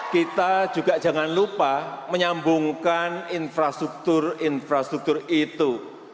kita juga jangan lupa menyambungkan infrastruktur infrastruktur itu